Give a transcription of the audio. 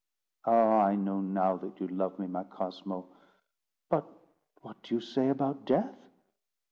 "Ah, I know now that you love me, my Cosmo; but what do you say about death?"